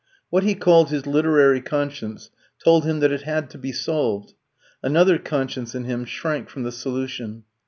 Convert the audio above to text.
What he called his literary conscience told him that it had to be solved; another conscience in him shrank from the solution.